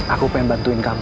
aku pengen bantuin kamu